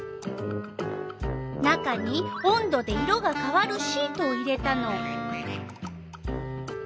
中に温度で色がかわるシートを入れたの。